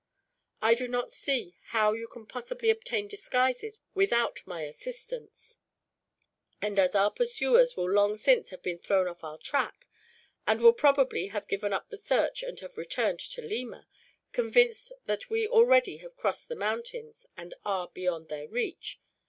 I do not see how you can possibly obtain disguises without my assistance; and as our pursuers will long since have been thrown off our track, and will probably have given up the search and have returned to Lima, convinced that we already have crossed the mountains and are beyond their reach.